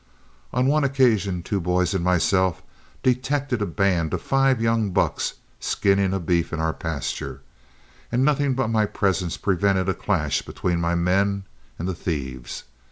On one occasion two boys and myself detected a band of five young bucks skinning a beef in our pasture, and nothing but my presence prevented a clash between my men and the thieves.